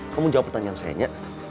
kamu jawab pertanyaan saya